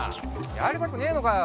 やりたくねえのかよ？